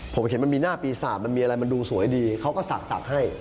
ผมเห็นมันมีหน้าปีศาจมันมีอะไรมันดูสวยดีเขาก็ศักดิ์ให้